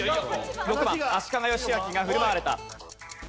６番足利義昭が振る舞われた。